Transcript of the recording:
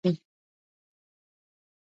افغانستان د کلیو له پلوه یو متنوع هېواد دی.